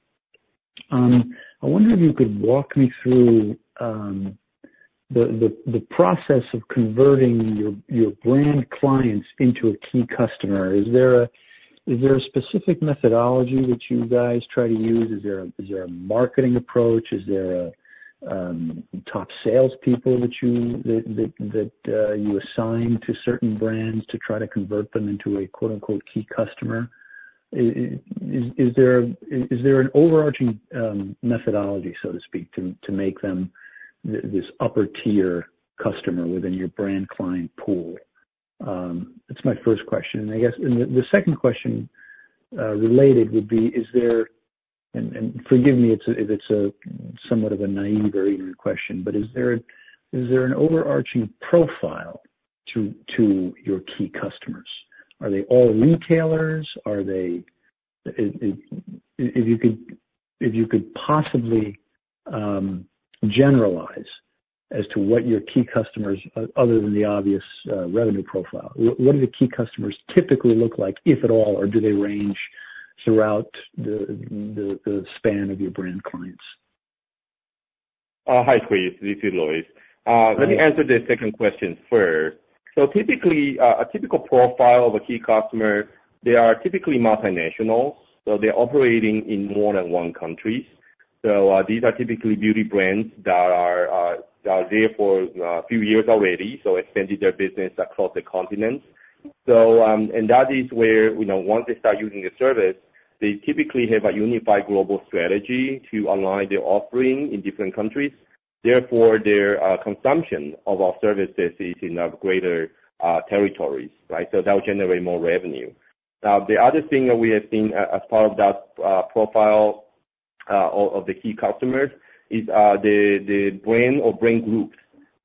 I wonder if you could walk me through the process of converting your brand clients into a key customer. Is there a specific methodology that you guys try to use? Is there a marketing approach? Is there a top salespeople that you assign to certain brands to try to convert them into a "key customer"? Is there an overarching methodology, so to speak, to make them this upper-tier customer within your brand client pool? That's my first question. I guess the second question related would be, and forgive me if it's somewhat of a naïve or even question, but is there an overarching profile to your key customers? Are they all retailers? If you could possibly generalize as to what your key customers, other than the obvious revenue profile, what do the key customers typically look like, if at all, or do they range throughout the span of your brand clients? Hi, Chris. This is Louis. Let me answer the second question first. So typically, a typical profile of a key customer, they are typically multinationals, so they're operating in more than one country. These are typically beauty brands that are there for a few years already, so extended their business across the continent. And that is where once they start using the service, they typically have a unified global strategy to align their offering in different countries. Therefore, their consumption of our services is in greater territories, right? So that will generate more revenue. Now, the other thing that we have seen as part of that profile of the key customers is the brand or brand groups,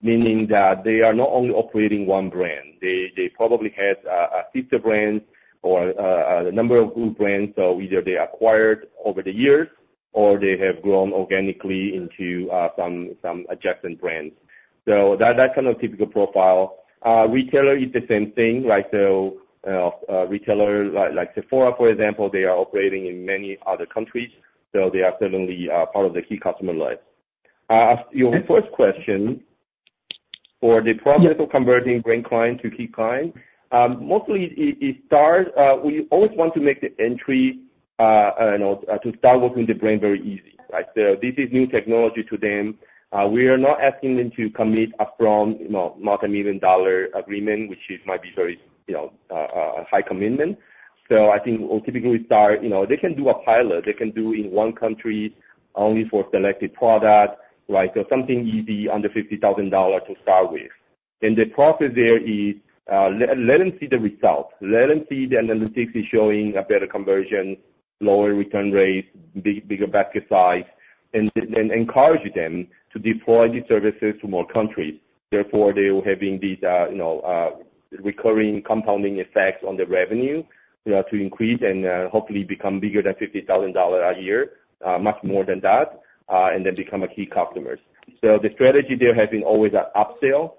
meaning that they are not only operating one brand. They probably have a sister brand or a number of group brands, so either they acquired over the years or they have grown organically into some adjacent brands. So that's kind of a typical profile. Retailer is the same thing, right? So retailers like Sephora, for example, they are operating in many other countries, so they are certainly part of the key customer list. Your first question for the process of converting brand client to key client, mostly it starts we always want to make the entry to start working with the brand very easy, right? So this is new technology to them. We are not asking them to commit upfront multi-million dollar agreement, which might be very high commitment. So I think we'll typically start they can do a pilot. They can do in one country only for selected products, right? So something easy under $50,000 to start with. And the process there is let them see the result. Let them see the analytics is showing a better conversion, lower return rates, bigger basket size, and then encourage them to deploy these services to more countries. Therefore, they will have these recurring compounding effects on the revenue to increase and hopefully become bigger than $50,000 a year, much more than that, and then become key customers. So the strategy there has been always to upsell, right?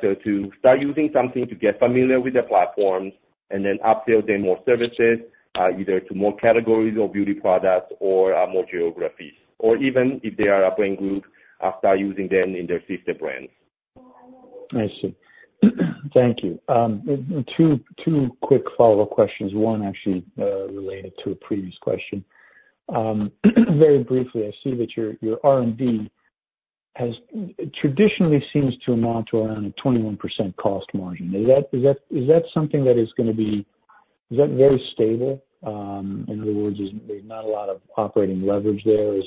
So to start using something to get familiar with the platforms and then upsell them more services, either to more categories or beauty products or more geographies, or even if they are a brand group, start using them in their sister brands. I see. Thank you. Two quick follow-up questions. One actually related to a previous question. Very briefly, I see that your R&D has traditionally seems to amount to around a 21% cost margin. Is that something that is going to be is that very stable? In other words, there's not a lot of operating leverage there as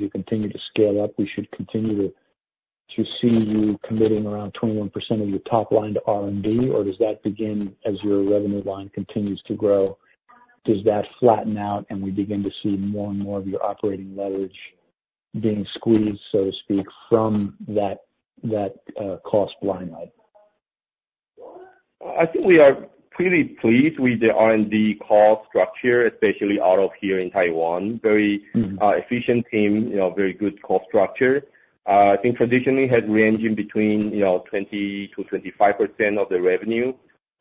you continue to scale up. We should continue to see you committing around 21% of your top line to R&D, or does that begin as your revenue line continues to grow? Does that flatten out and we begin to see more and more of your operating leverage being squeezed, so to speak, from that cost line? I think we are pretty pleased with the R&D cost structure, especially out of here in Taiwan. Very efficient team, very good cost structure. I think traditionally has ranged in between 20%-25% of the revenue.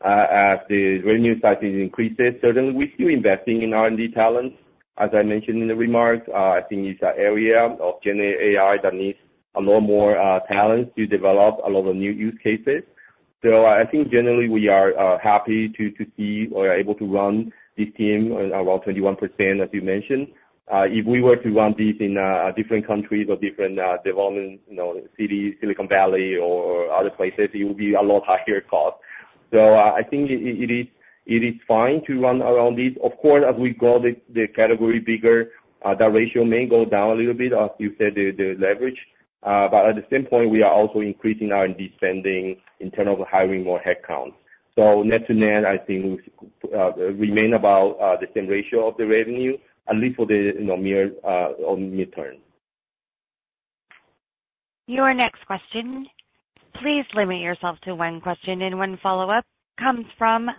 As the revenue size is increasing, certainly we're still investing in R&D talents. As I mentioned in the remarks, I think it's an area of generative AI that needs a lot more talent to develop a lot of new use cases. So I think generally we are happy to see or are able to run this team around 21%, as you mentioned. If we were to run these in different countries or different development cities, Silicon Valley or other places, it will be a lot higher cost. So I think it is fine to run around these. Of course, as we grow the category bigger, that ratio may go down a little bit, as you said, the leverage. But at the same point, we are also increasing our independent internal hiring or headcount. So net to net, I think we remain about the same ratio of the revenue, at least for the near or midterm. Your next question. Please limit yourself to one question and one follow-up. Comes from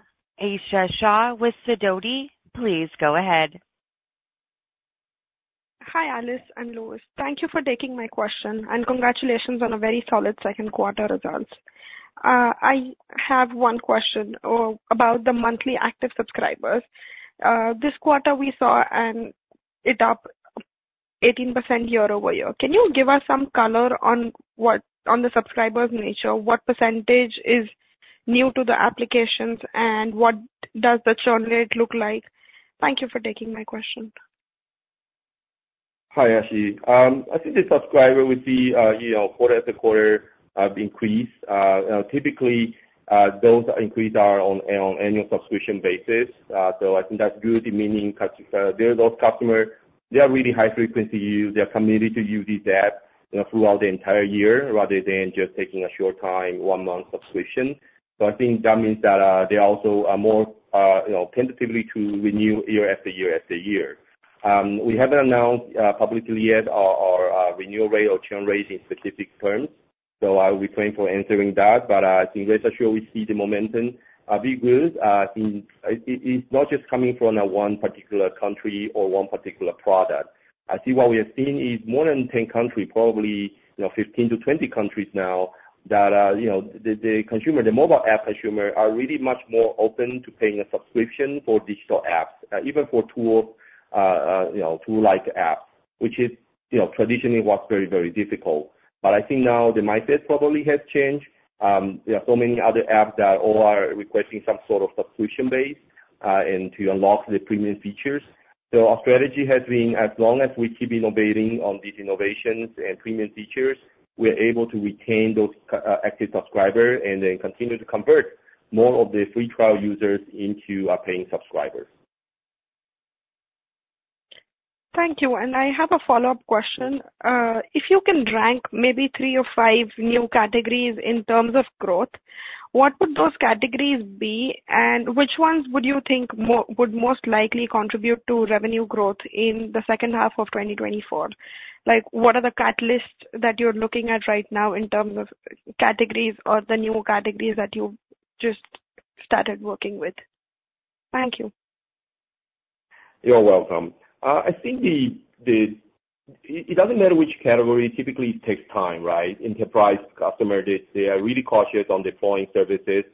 Aashi Shah with Sidoti. Please go ahead. Hi, Alice. I'm Louis. Thank you for taking my question, and congratulations on a very solid second quarter results. I have one question about the monthly active subscribers. This quarter, we saw an up 18% year-over-year. Can you give us some color on the subscribers' nature? What percentage is new to the applications, and what does the churn rate look like? Thank you for taking my question. Hi, Aashi. I think the subscriber would be quarter-over-quarter increase. Typically, those increases are on an annual subscription basis. So I think that's good, meaning those customers, they are really high-frequency use. They are committed to use these apps throughout the entire year rather than just taking a short-term, one-month subscription. So I think that means that they are also more likely to renew year after year after year. We haven't announced publicly yet our renewal rate or churn rate in specific terms. So I will be thankful for answering that. But I think we're sure we see the momentum be good. It's not just coming from one particular country or one particular product. I see what we have seen is more than 10 countries, probably 15-20 countries now, that the consumer, the mobile app consumer, are really much more open to paying a subscription for digital apps, even for tool-like apps, which is traditionally what's very, very difficult. But I think now the mindset probably has changed. There are so many other apps that all are requesting some sort of subscription base and to unlock the premium features. So our strategy has been, as long as we keep innovating on these innovations and premium features, we're able to retain those active subscribers and then continue to convert more of the free trial users into our paying subscribers. Thank you. I have a follow-up question. If you can rank maybe three or five new categories in terms of growth, what would those categories be, and which ones would you think would most likely contribute to revenue growth in the second half of 2024? What are the catalysts that you're looking at right now in terms of categories or the new categories that you just started working with? Thank you. You're welcome. I think it doesn't matter which category. Typically, it takes time, right? Enterprise customers, they are really cautious on deploying services.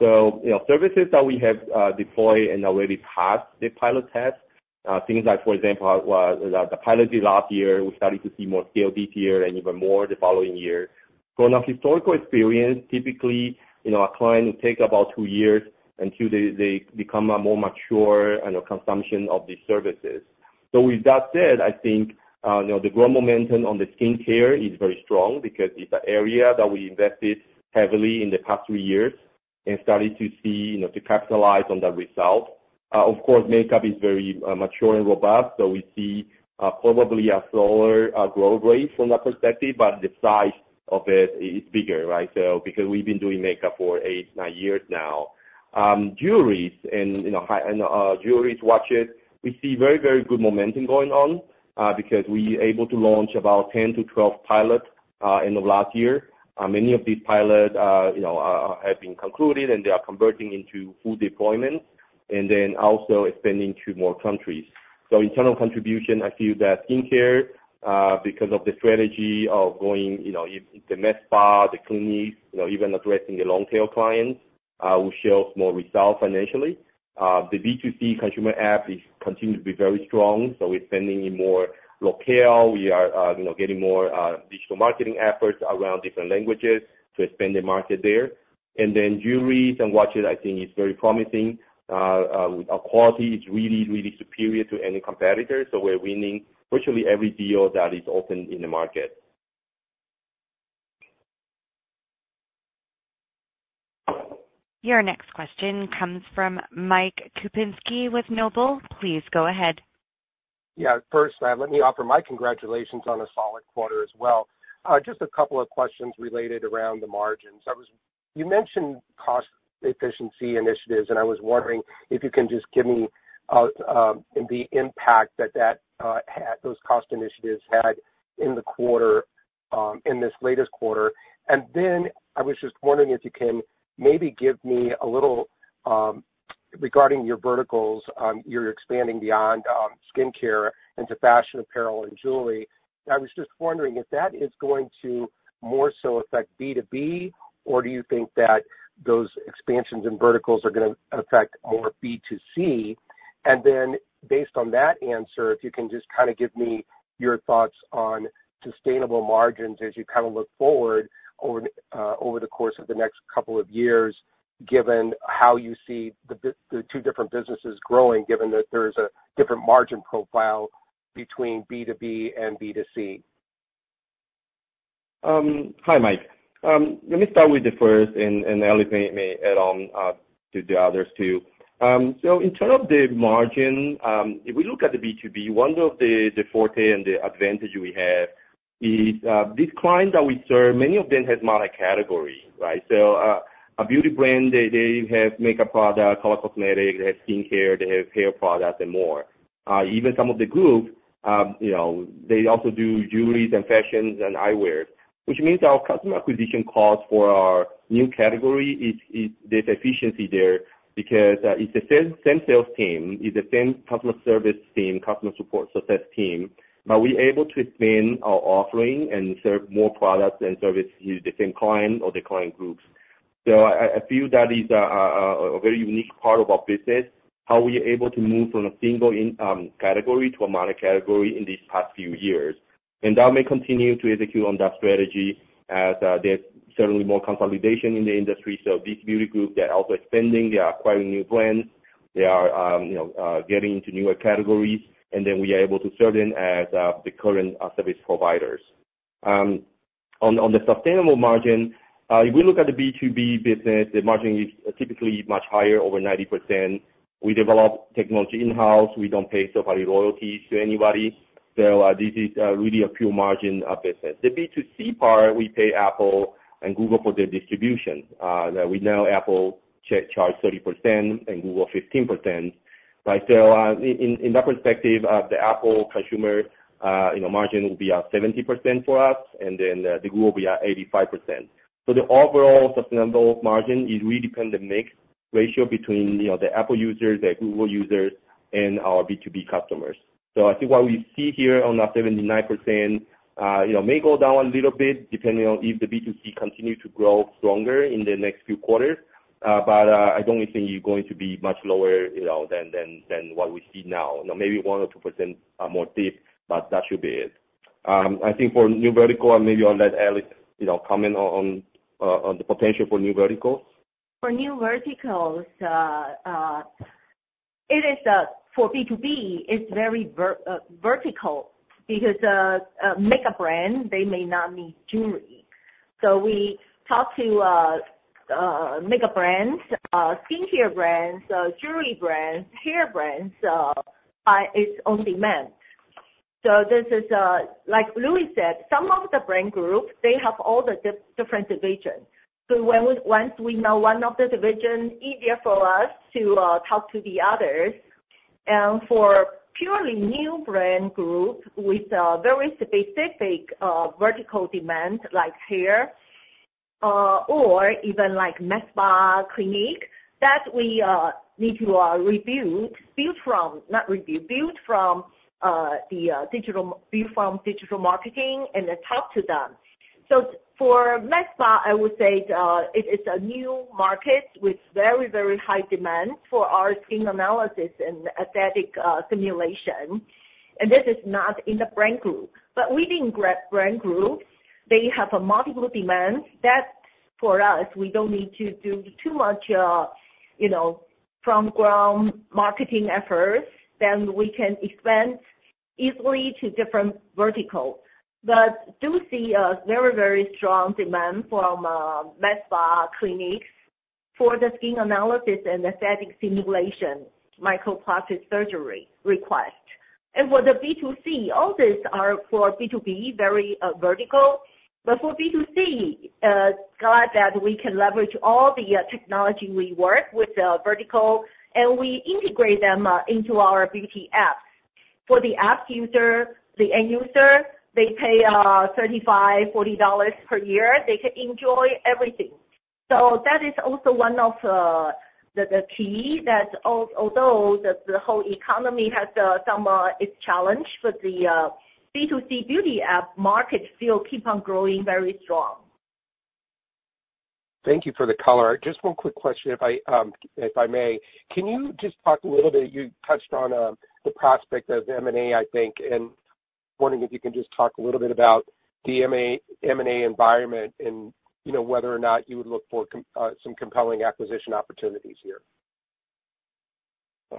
So services that we have deployed and already passed the pilot tests, things like, for example, the pilot last year, we started to see more scale this year and even more the following year. From our historical experience, typically, a client will take about two years until they become a more mature consumption of these services. So with that said, I think the growth momentum on the skincare is very strong because it's an area that we invested heavily in the past three years and started to see to capitalize on that result. Of course, makeup is very mature and robust, so we see probably a slower growth rate from that perspective, but the size of it is bigger, right? So because we've been doing makeup for eight, nine years now. Jewelry and jewelry watches, we see very, very good momentum going on because we were able to launch about 10-12 pilots end of last year. Many of these pilots have been concluded, and they are converting into full deployment and then also expanding to more countries. So internal contribution, I feel that skincare, because of the strategy of going to the med spa, the clinics, even addressing the long-tail clients, will show more results financially. The B2C consumer app continues to be very strong, so we're spending in more locales. We are getting more digital marketing efforts around different languages to expand the market there. And then jewelry and watches, I think it's very promising. Our quality is really, really superior to any competitor, so we're winning virtually every deal that is open in the market. Your next question comes from Mike Kupinski with Noble. Please go ahead. Yeah. First, let me offer my congratulations on a solid quarter as well. Just a couple of questions related around the margins. You mentioned cost efficiency initiatives, and I was wondering if you can just give me the impact that those cost initiatives had in the quarter, in this latest quarter? And then I was just wondering if you can maybe give me a little regarding your verticals? You're expanding beyond skincare into fashion, apparel, and jewelry. I was just wondering if that is going to more so affect B2B, or do you think that those expansions in verticals are going to affect more B2C? And then based on that answer, if you can just kind of give me your thoughts on sustainable margins as you kind of look forward over the course of the next couple of years, given how you see the two different businesses growing, given that there is a different margin profile between B2B and B2C? Hi, Mike. Let me start with the first and I'll get to the others too. So in terms of the margin, if we look at the B2B, one of the fortes and the advantages we have is these clients that we serve, many of them have multi-category, right? So a beauty brand, they have makeup products, color cosmetics, they have skincare, they have hair products, and more. Even some of the groups, they also do jewelry and fashions and eyewear, which means our customer acquisition cost for our new category is the efficiency there because it's the same sales team, it's the same customer service team, customer support, so that's the team. But we're able to expand our offering and serve more products and services to the same client or the client groups. So I feel that is a very unique part of our business, how we are able to move from a single category to a multi-category in these past few years. And that may continue to execute on that strategy as there's certainly more consolidation in the industry. So these beauty groups, they're also expanding, they're acquiring new brands, they are getting into newer categories, and then we are able to serve them as the current service providers. On the sustainable margin, if we look at the B2B business, the margin is typically much higher, over 90%. We develop technology in-house. We don't pay somebody royalties to anybody. So this is really a pure margin business. The B2C part, we pay Apple and Google for their distribution. We know Apple charges 30% and Google 15%. So in that perspective, the Apple consumer margin will be at 70% for us, and then the Google will be at 85%. So the overall sustainable margin is really dependent mix ratio between the Apple users, the Google users, and our B2B customers. So I think what we see here on that 79% may go down a little bit depending on if the B2C continues to grow stronger in the next few quarters, but I don't think it's going to be much lower than what we see now. Maybe 1% or 2% more dip, but that should be it. I think for new vertical, and maybe I'll let Alice comment on the potential for new verticals. For new verticals, it is that for B2B, it's very vertical because a makeup brand, they may not need jewelry. So we talk to makeup brands, skincare brands, jewelry brands, hair brands by its own demand. So this is like Louis said, some of the brand groups, they have all the different divisions. So once we know one of the divisions, it's easier for us to talk to the others. And for purely new brand groups with very specific vertical demands like hair or even like med spa clinic, that we need to review, build from, not review, build from digital marketing and then talk to them. So for med spa, I would say it is a new market with very, very high demand for our skin analysis and aesthetic simulation. And this is not in the brand group. But within brand groups, they have multiple demands that for us, we don't need to do too much front-ground marketing efforts. Then we can expand easily to different verticals. But we do see a very, very strong demand from med spa clinics for the skin analysis and aesthetic simulation, micro-plastic surgery requests. And for the B2C, all these are for B2B, very vertical. But for B2C, glad that we can leverage all the technology we work with vertical, and we integrate them into our beauty apps. For the app user, the end user, they pay $35-$40 per year. They can enjoy everything. So that is also one of the keys that although the whole economy has some challenge, but the B2C beauty app market still keeps on growing very strong. Thank you for the color. Just one quick question, if I may. Can you just talk a little bit? You touched on the prospect of M&A, I think, and wondering if you can just talk a little bit about the M&A environment and whether or not you would look for some compelling acquisition opportunities here?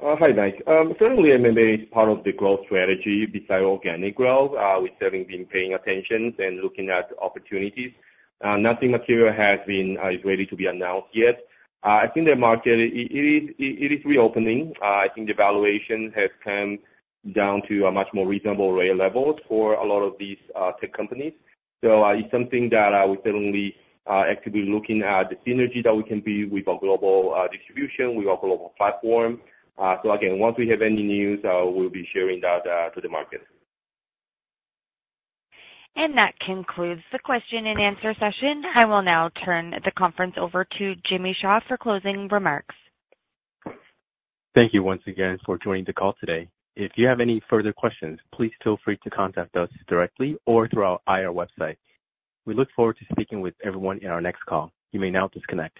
Hi, Mike. Certainly, M&A is part of the growth strategy besides organic growth. We've certainly been paying attention and looking at opportunities. Nothing material has been ready to be announced yet. I think the market, it is reopening. I think the valuation has come down to a much more reasonable rate level for a lot of these tech companies. So it's something that we're certainly actively looking at the synergy that we can be with our global distribution, with our global platform. So again, once we have any news, we'll be sharing that to the market. And that concludes the question and answer session. I will now turn the conference over to Jimmy Shu for closing remarks. Thank you once again for joining the call today. If you have any further questions, please feel free to contact us directly or through our IR website. We look forward to speaking with everyone in our next call. You may now disconnect.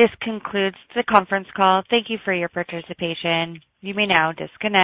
This concludes the conference call. Thank you for your participation. You may now disconnect.